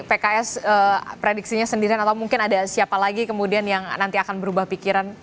pks prediksinya sendirian atau mungkin ada siapa lagi kemudian yang nanti akan berubah pikiran